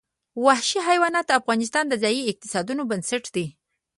وحشي حیوانات د افغانستان د ځایي اقتصادونو بنسټ دی.